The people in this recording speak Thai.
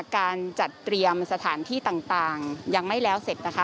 การจัดเตรียมสถานที่ต่างยังไม่แล้วเสร็จนะคะ